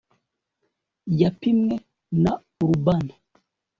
Yapimwe na urbane